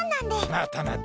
またまた。